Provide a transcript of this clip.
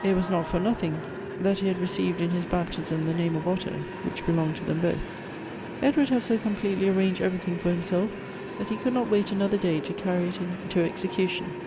It was not for nothing that he had received in his Elective Affinities. 275 baptism the name of Otto, which belonged to them both. Edward had so completely arranged everything for himself, that he could not wait another day to carry it into execution.